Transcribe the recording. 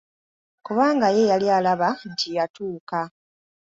Kubanga ye yali alaba nti yatuuka!